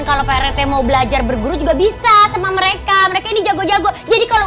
kalau pak rt mau belajar berguru juga bisa sama mereka mereka ini jago jago jadi kalau